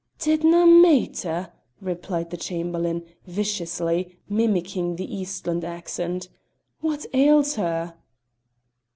"Didna maitter!" repeated the Chamberlain, viciously, mimicking the eastland accent. "What ails her?"